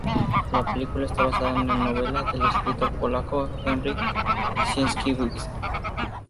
La película está basada en la novela del escritor polaco Henryk Sienkiewicz.